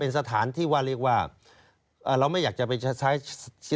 สถานที่ว่าเรียกว่าเราไม่อยากจะไปใช้